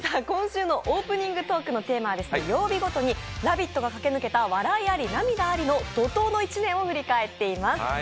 今週のオープニングトークのテーマは曜日ごとに「ラヴィット！」が駆け抜けた笑いあり、涙ありの怒とうの１年を振り返っています。